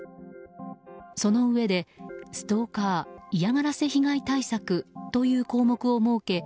そのうえでストーカー嫌がらせ被害対策という項目を設け